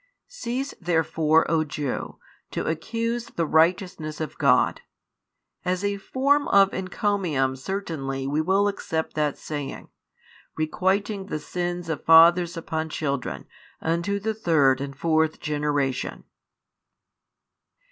Cease therefore, O Jew, to accuse the righteousness of God. As a form of encomium certainly we will accept that saying: Requiting the sins of fathers upon children unto the third and fourth generation.